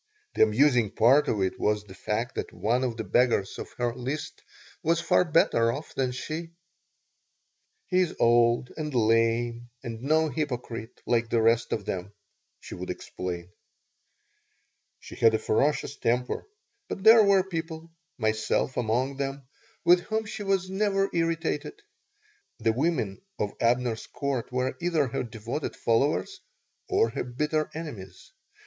The amusing part of it was the fact that one of the beggars on her list was far better off than she "He's old and lame, and no hypocrite like the rest of them," she would explain She had a ferocious temper, but there were people (myself among them) with whom she was never irritated. The women of Abner's Court were either her devoted followers or her bitter enemies.